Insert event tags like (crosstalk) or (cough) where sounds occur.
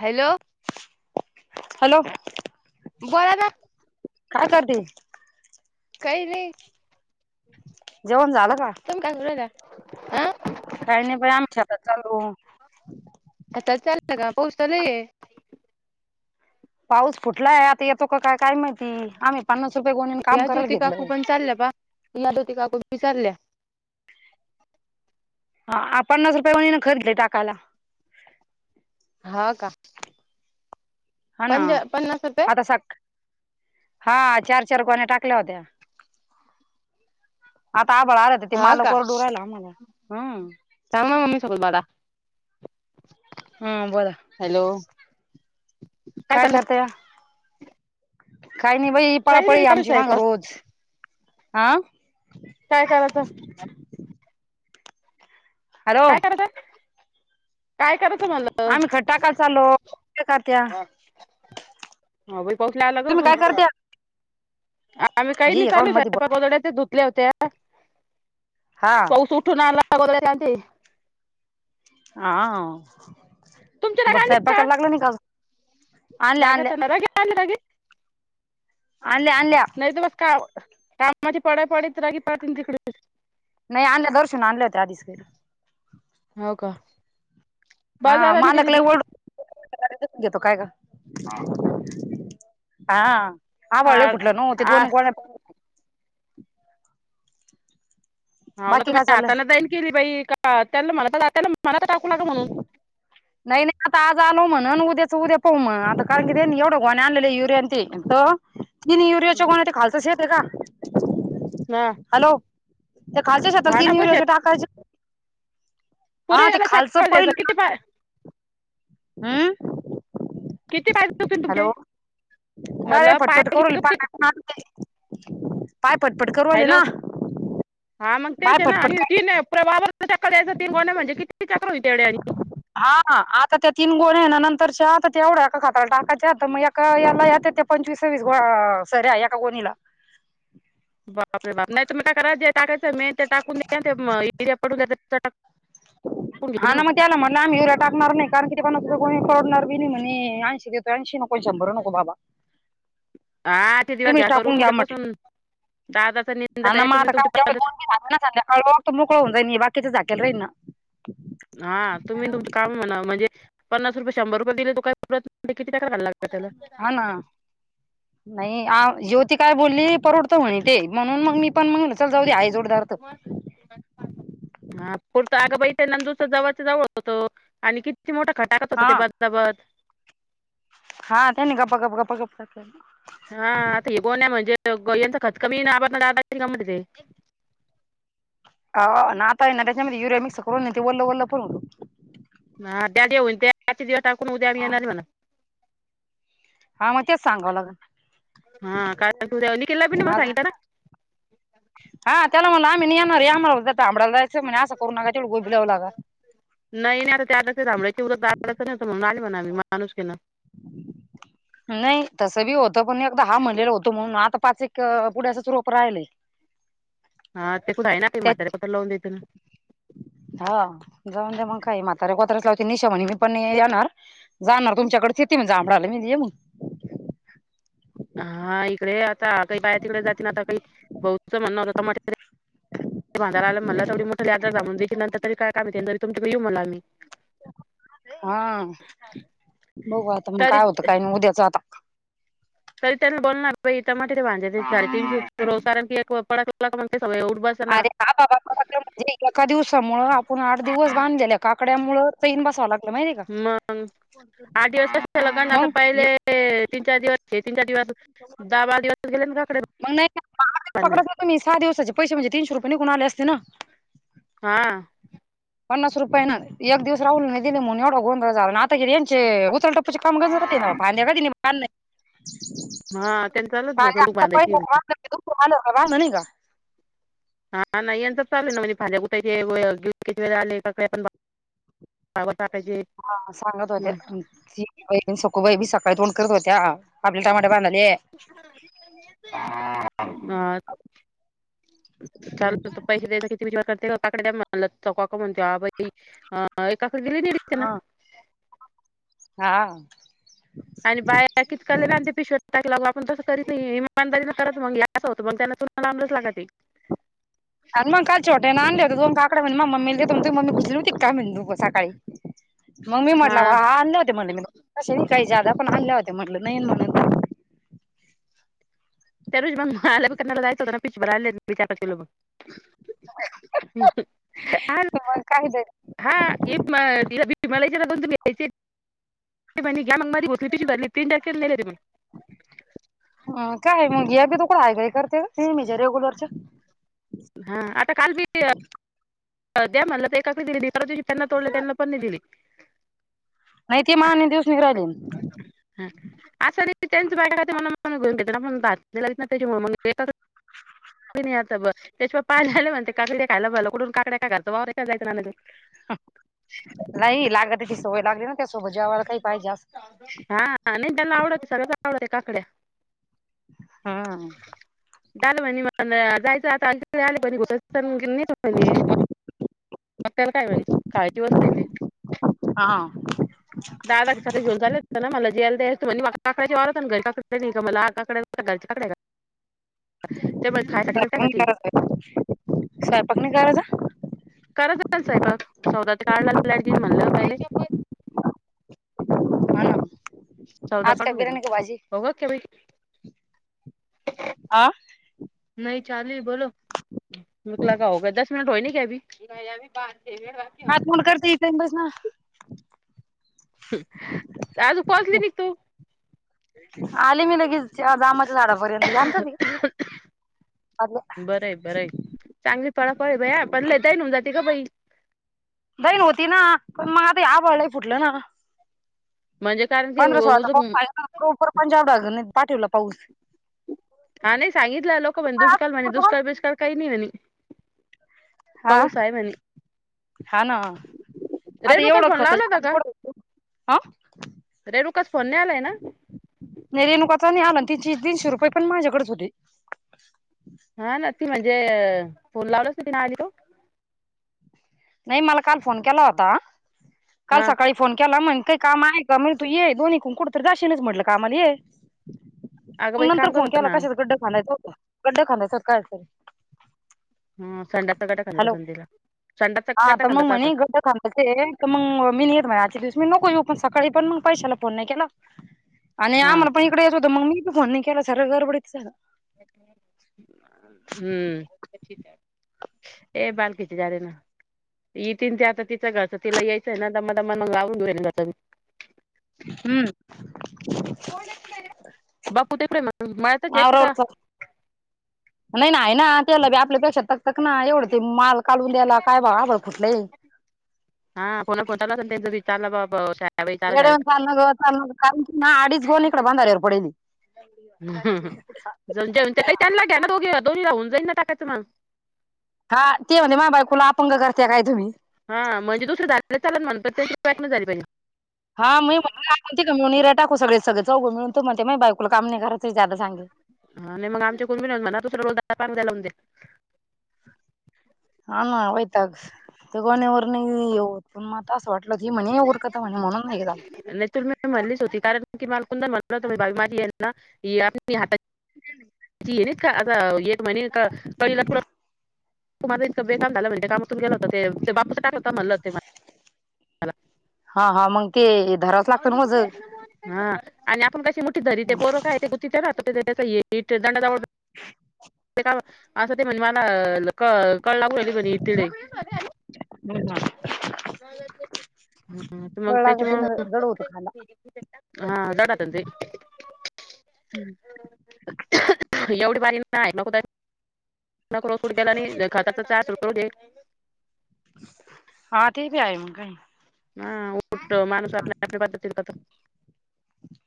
Hello hello बोला ना काय करते काय नाही जेवण झालं का? (unintelligible) काही नाही प आम्हीच्याताात चालू. आता चाल का पोसालय. पाऊस फुटलाय आता येतो का काय काय माहिती आम्ही पन्नास रुपये गोणून काम करायला घेतलं. ल बाहा. या त त काक विचारल्या. हा आप पन्नास रुपये म्हणी खरदले टाकायला. हा का? हा ना पंजा पन्नास रुपये आता स हा चार चार गोण्या्या टाकल्या होत्या. आता आभळ आलात ते हा मालक वरडू राहिला आम्हाला हम्. काम ना मम्मी सगोल बडा. हा बोलला. हॅलो. काय करता या काही नाही बाई पळा काही नाही पळी विचारू आमची मांग स्वयंपाक रोज आा. काय करायचं? हॅलो काय करायचं काय करायचं मलं टाका चालो का त्या ह पाोसला तुम्ही काय करत्या आलातम्ही काही बाई नाही एकाउंट चालू मध्ये कोड्या धुत होत्या हा पाऊस उठून आणलागोगरे हा तुमची राग बस सायपा कयला लागला न काल. लागच ना र रग. अले अल्. नाही तर बस का कामा पड पडत रागी पडते तिकडे. नाही आणलं दर्शन आणलं होते आधीच कारी हो का? हा बाजारला नाही गेली मालकला ती ओढसून घेतो काय का? हा हा आवळले फुटलं न ते आ दोन हा ना बाकी काय तुम्ही चाललं? आताना जाईन केली बाई का त्यालाला मलात टाकू लाग म्हणून नाही नाही आता आज आलो म्ह उद्याच उद्या पाहू मग आता कारण की ते एवढं गोणी आणलेले युरिया ते तिने युरियाच्या कोणा खालचच येते का? ना. हॅलो ते खालच शछात हा पैसे तीनयाच्या टाकाय. हा पुरे ते याला खालचं चक्कर द्यायचं पडल. किती पाय आह. किती पाजे दुखतील तुमचे मला पाय किती दुखतील. ह. पाय पटपट करवाले हॅलो ना. हा मग पाय तेच आहे ना पटपट आणि करते त बाबाचा चक द्यायचा ती ग म्हणजे किती चक होईती तेवढ्या आणि हा आता त्या तीन गोण्या आहे ना नंतरच्या आता तेवढ्या का खातला टाकायच्या आता मग याला यात त्या पंचवीस वस ग सर्या एका कोणीला बापरे बा नाही त म का करा जे टाकायचं मी ते टाकून एरिया पडून घ. हा ना मग त्याला म्हटलं आम्ही हवऱ्या टाकणार नाही. कारण किती पणा कोणी करडणार बी नाही म्हणे ऐंशी देतो ऐंशी नको शंभर नको बाबा. हा आठ दिवस तुम्हीच घ्या टाकून करून म्हटलं उद्यापासून दादाचा हा निंदत ना आहे मग तुम्ही आता तुम काय तेवढे पत दोन तीन झाले ना मोकळं होऊ जाई बाकीच झाकेला राही ना. हा तुम्ही तुम? काम म्हणा म्हणजे पन्नास रुपये शंभर रुपये दिले त काय किती टकायला लागला त्याला हा ना. नाही आ ज्योती काय बोलली परवडत म्हणे ते म्हणून मग मी पण मग चल जाऊ आई जोडदार. तर हा पोट अगं बाई नंदू जावच्या जवळ होत तो आणि किती. ती मोठा खटाकात होता हा ते बदाबद. हा त्यानी गप्पा गप गप्प गपे. (unintelligible) हा आता हे गोन म्हणजे ग यांचा खतकमी आप का म्हटते. अ नाता ये ना त्याच्यामध्ये युरो मिक्स करून ते ओल ओलं पण होतं. हा त्या्याऊन को उद्या (unintelligible) म्हला हा मग तेच सांगावं लागल हा का तू (unintelligible) दऊनी केला पि ना मला आता सांगितताना ह (inaudible) हा त्याला म्हला आम्ही येणारे आम्हाला आबला जाच म्ह म अस करू नका तेवढं गो भि लावलागा. नाही आता त्याथांबड्याची उ दडचं नवत म्हून आले म्हणा आम्ही माणूस घेणार. (inaudible) नाही तसं बी होतं पण एकदा हा म्हणलेला होतो म्हणून आता पाच एक पुढ्या रोप राहिलय. हा ते कुठं आहे ना प त्या मात्याेपटं ल लावून देत ना. हा जाऊन ते मग काय म्हातार्या कोत्र्या लावते निशा म्हणी मी पण येणार. जाणार तुमच्याकडे तिथती मण जांभडाला मी ये मग. हा इकडे आता काही बाहेर तिकडे जाते ना आता काही बहुच म्हणण होत म. तोर आला तेवी मोठं आ्र जाूनेत नंत त काय तुमडे येऊ म्हणा आम्ही (unintelligible) हा बघू आता मग तरी काय होतं काही नाही उद्याच आता. तरी त्या बोलला ना त्या ते वाांजे तीन र (inaudible) अरे. हा बाबा आपलं म्हणजे एका दिवसामु आपण आठ दिवस बांधलेल्या काकड्यामुळे चैन बसावं लागत. मग आठ दिवस झा कार आता मग पहिले तीन चार दिवस तीन चार दिवस. दाबा दिसत गेले ना काकडे (inaudible) पण सहावचे पैसेणजे तनशे रुपे कुणाले असते ना. हा. पन्नास रुपय ना एक दिवस राहल नाही दिलेणून एवढ गो झाला आत. यांचे उतरल टप्पूचे काम कर जात ना पा कधी नाही. हा त्यांनी चालूच पाणी भाऊ आता बांधायची पहिलं दुख आलं वाह म्ह नाही का. हा नाही यांच चालू ना म्हणजेज्या कुठाचे वे आले काकडे पण. काम टाकायची. हा सांगत होत्या जी एकदम सखू बाबी सकाळी तोंड करत होत्या आपल्या टमाट्या बा. अहत. हम्. पैसे द्याय किती विचार करते काकड द्या म्ह ल चौ काक म्हणतो ह बाई काकडडे गेली नाही ना हा (unintelligible) हा. आणि बाया कितकाले ते पिशवट टाक लावू आपण तसं करीत इमानदारी करत मग या. असं होतं मग त्याना तुमला लांबलच लागते. आणि मग काल छट्या ना आण होत्या काकड म्हण म् म मग म्मील का सकाळी. मग मी म्हटला हा आणले होते म्हटले मी काही जादा पण आणल्या होते म्हटलं नाही म्हण. त्या रोजी मग आल्याप कनाला जायच होता ना पिच बर आले बचार पाच लो ब. तुम्हाला काय दे हािला मलाच्याण तुम् घ्यायचे (unintelligible) ते घ मग म होतली तझी भरली प्रंर केले तरी मग (inaudible) अ काय मग या बी तकडं आहे काय करते हेजे रेग्युलरच्या. हा आता काल बी द्या म्हणलं तर एकाकडे दिली दिवशी पना तोडले त्यांना पण नाही दिली. नाही ते मा दिवस निघराहिले. हा असं र त्यांच बायण ना त्याच्या एका (inaudible) नाही आता बघ त्याच्या पाय झालं म्हणते काकडी खायला बला ककडून काकड्या काय घर वाय जायं ना आणायचं. नाही लागत तची सवय लागली ना. त्यासोबत जेवायला काही पाहिजे अस हा नाही त्याला आवडते सर्वच आवडते, काकड्या हम्. झालं म्हने म जायचं आता एक आले कणी (unintelligible) त्याला काय बाई म्हने काळजी वाटते तेची हा व. दादा. सारे जेवून झालेत ना मला जेवायला द्यायच म्हने मग काकड्या जेवायलाच आन घरी (unintelligible) ग मला आकाकडे घरच्या सकाळी काकडे आहे का? ते मग खायासाठी का त्यासाठी सैपाक नाई कराचा. कराचा की सैपाक सौदा ते खायला लाइट जाईल म्हणलं पहिले हा. चौदा आज काय काढून घेतलं बिर्याणी का भाजी हो की बाई आ. नाही चालूय बोलो. (unintelligible) हात मुल करतय इथ येवून बस ना. हम आज पोहोचली बी तू आले मी लगेच, या जामाच्या झाडापर्यंत या आमच्याच आहे की बर ए बरं हाय चांगली पळापळ आहे बया पडल तै होवून जाते ग बाई बहीण होती ना, पण मग आता ये अभाल लई फुटलं ना. म्हणजे काय? पंधरा सोळाचा पाऊस पंजाब (unintelligible) पाटीवला पाऊस हा नाही सांगितलं, लोक म्हणे दुष्काळ म्हणे दुष्काळ बिष्काळ काही नाही म्हणे हा पाऊस हाय म्हणे हा ना आता रेणुकाला एवढं फोन लावला होता खताच्या पाणी (unintelligible) आ. रेनुकास फोन नेलाय ना. नाही रेणुकाचा नाही आला तीचे तीनशे रुपये पण माझ्याकडेच होते. हा ना ती म्हणजे फोन लावलाच ती आली हो. नाही मला काल फोन केला होता, काल हा सकाळी फोन केला मग काही काम आहे का म्हण? तू ये दोनही कु कुठ तर जाशीनच म्हटलं कामाला ये अगं म बाई नंतर काम करत फोन होता केला ना कशाचा गड्डा खनायचा होता. गड्डा खनायचा काय? हा संडासचा खड्डा खनायचा हॅलो होता न तीला हा आता मग म्हणे घड्ड काल. मग मी नाहीेत म्हणे आजच्या दिवस मी नको येऊ, पण सकाळी पण मग पैशाला फोन नाही केला. आणि हा आम्हाला पण इकडे यायच होत, मग मी त फोन नाही केला सार गडबडीच झाल. हम्म. ए बालकिती झाल ना. इतीन ते आता तिचं घरच तिला यायचंय ना दमा दमान लावून घेऊ घर हम्म. बापू तीकडे हाये मळ्यातच आहे का? आवरावर नाही नाही आहे ना, त्याला आपल्यापेक्षा तकतक ना, एवढं ते माल कालवून द्यायला काय आभाळ फुटलंय? हा कोणा खोताला त्यांन विचारलं बाबा काय? एड्या वानी चालू नग चालू नग का म्हणतोय, अडीच गोनी इकड बांदवर पडती. जाेऊन ते काही त्यांना घ्या ना, दोघे दोन होऊन जाईन ना टाकायचं मग हा ते म्हणले माह्या बायकुला अपंग करते काय तुम्ही? हां म्हणजे दुसर झाली तर चालाल म्हन, पण त्याची बायको नाही झाली पाहिजे. हां मी म्हंटल आपण तिघं मिळून यीरिया टाकू सगळे चौघे जण, तो म्हते माह्या बायकोला काम नाही कराच ज्यादा सांगायच. हा नाही मग आमच्या कुूनबी नाही म्हणा, दुसऱ्याच्या कुणाच्या बांधाला लावून् द्या. हा ना वैयताग ते गोण्या वरन ये येवू. पण म आता असं वाटलं की, म्हणे उरकत म्हणे म्हणून हे झालं. नाही तुम्ही म्हणलीच होती कारण की मा कुंद म्हण होत बा माझ ना हात ह का आता एक महि पहिला पु तुमला इतक बेकाम झालं म्हज काातून गलं होत ते बां टात हा हा मग ते धराच लागत ना माझं हा आणि आपण कशी मोठी री ते पोरं काय ते गुती त्याला तेच हीट दंडाज का असं ते म्हण मला क कळलाली बणी इ तडे जड हा तर मग लागत ना, जड होतं खायला त्याच्यामुळे हा अड तज हम्म एवढी बारी नाही मगु नक रोज फठ गला आणि खात चारो हा ते प आय मग काही हा उठो माणूस आपल्या आपल्या पद्धतीने करतो